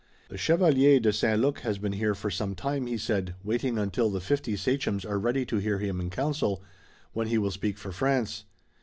"The Chevalier de St. Luc has been here for some time," he said, "waiting until the fifty sachems are ready to hear him in council, when he will speak for France.